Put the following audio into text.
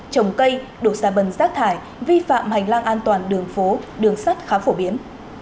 trồng cây đổ xà bần rác thải vi phạm hành lang an toàn đường phố đường sắt khá phổ biến